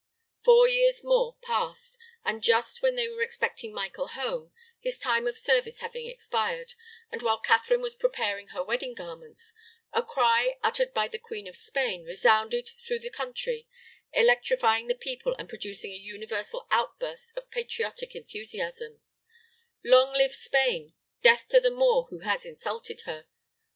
Four years more passed; and just when they were expecting Michael home, his time of service having expired, and while Catherine was preparing her wedding garments, a cry, uttered by the Queen of Spain, resounded through the country, electrifying the people and producing a universal outburst of patriotic enthusiasm Long live Spain! Death to the Moor who has insulted her!